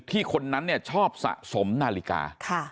ที่คนนั้นเนี่ยชอบสะสมนาฬิกา